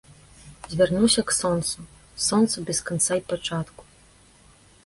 Звярнуся к сонцу, сонцу без канца й пачатку.